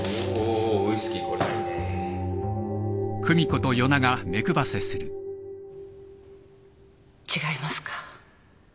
ウイスキーこれはいいね違いますか？